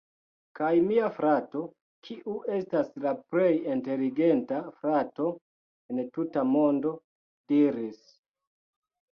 Kaj mia frato, kiu estas la plej inteligenta frato en la tuta mondo... diris: